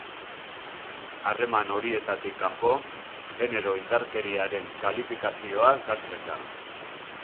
Harreman horietatik kanpo, genero indarkeriaren kalifikazioa galtzen da.